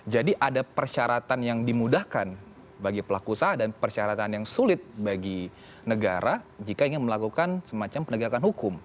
jadi ada persyaratan yang dimudahkan bagi pelaku usaha dan persyaratan yang sulit bagi negara jika ingin melakukan semacam penegakan hukum